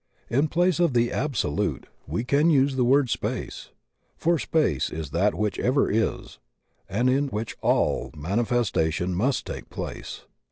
In place of "the Absolute" we can use the word Space. For Space is that which ever is, and in which all mani festation must take place.